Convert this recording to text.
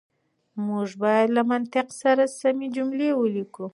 موږ بايد له منطق سره سمې جملې وليکو.